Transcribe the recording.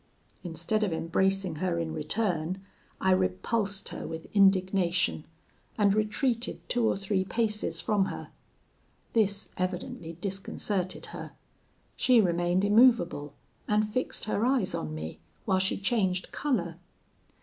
Instead of embracing her in return, I repulsed her with indignation, and retreated two or three paces from her. This evidently disconcerted her. She remained immovable, and fixed her eyes on me, while she changed colour.